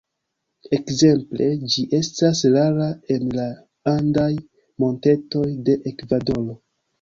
Ekzemple ĝi estas rara en la andaj montetoj de Ekvadoro.